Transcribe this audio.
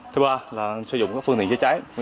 thứ ba là sử dụng các phương tiện chữa cháy